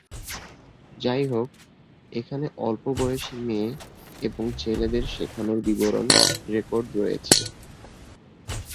যাইহোক, এখানে অল্পবয়সী মেয়ে এবং ছেলেদের শেখানোর বিবরণ রেকর্ড রয়েছে।